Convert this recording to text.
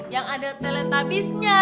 yang ada teletabisnya